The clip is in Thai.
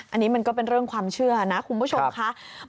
อันนี้มันก็เป็นเรื่องความเชื่อนะคุณผู้ชมค่ะ